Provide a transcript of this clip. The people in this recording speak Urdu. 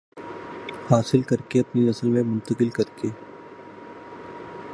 حاصل کر کے اپنی نسل میں منتقل کر کے